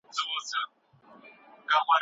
د مصر او الجزاير تجربې هم د پام وړ دي.